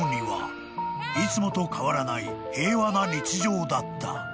［いつもと変わらない平和な日常だった］